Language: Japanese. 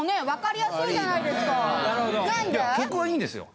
いや曲はいいんですよ。